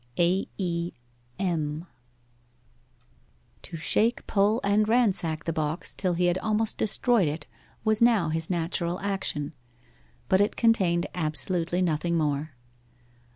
'AE. M.' To shake, pull, and ransack the box till he had almost destroyed it was now his natural action. But it contained absolutely nothing more.